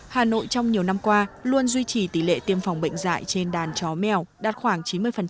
hà nội trong nhiều năm qua luôn duy trì tỷ lệ tiêm phòng bệnh dạy trên đàn chó mèo đạt khoảng chín mươi